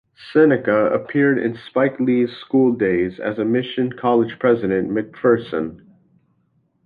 Seneca appeared in Spike Lee's "School Daze" as Mission College President McPherson.